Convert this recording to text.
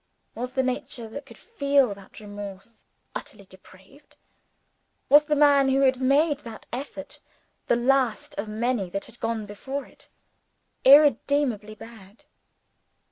Was the nature which could feel that remorse utterly depraved? Was the man who had made that effort the last of many that had gone before it irredeemably bad?